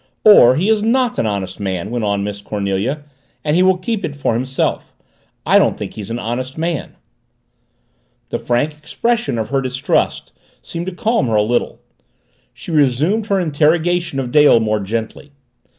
"Or he is not an honest man," went on Miss Cornelia, "and he will keep it for himself. I don't think he's an honest man." The frank expression of her distrust seemed to calm her a little. She resumed her interrogation of Dale more gently.